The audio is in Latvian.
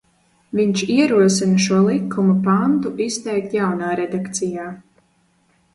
Viņš ierosina šo likuma pantu izteikt jaunā redakcijā.